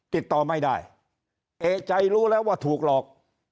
ติดต่อไม่ได้เอกใจรู้แล้วว่าถูกหลอก